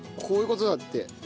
こういう事だって。